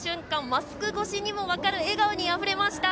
マスク越しにも分かる笑顔にあふれました。